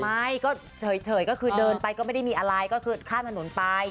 ไม่เหยก็เดินไปก็เข้าจากถนนไป